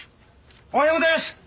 おはようございます！